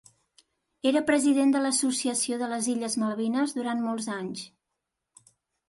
Era president de l'Associació de les Illes Malvines durant mots anys.